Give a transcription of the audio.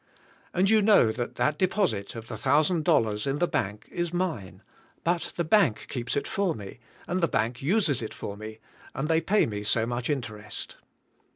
And you know that that deposit of the thousand dollars, in the bank, is mine, but the bank keeps it for me, and the bank uses it for me, and they pay me so much interest.